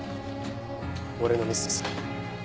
俺のミスです。